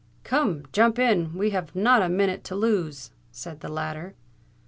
"Come, jump in—we have not a minute to lose," said the latter.